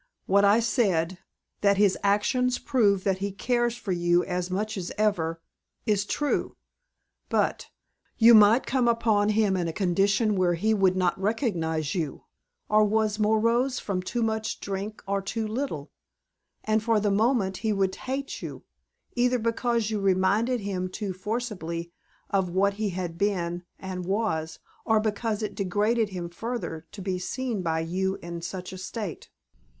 What I said that his actions prove that he cares for you as much as ever is true. But you might come upon him in a condition where he would not recognize you, or was morose from too much drink or too little; and for the moment he would hate you, either because you reminded him too forcibly of what he had been and was, or because it degraded him further to be seen by you in such a state.